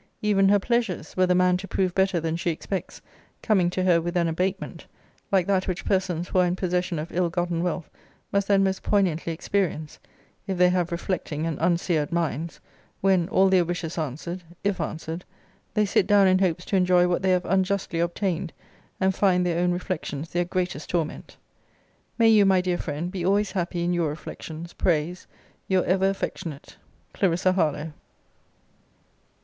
Even her pleasures, were the man to prove better than she expects, coming to her with an abatement, like that which persons who are in possession of ill gotten wealth must then most poignantly experience (if they have reflecting and unseared minds) when, all their wishes answered, (if answered,) they sit down in hopes to enjoy what they have unjustly obtained, and find their own reflections their greatest torment. May you, my dear friend, be always happy in your reflections, prays Your ever affectionate CL. HARLOWE.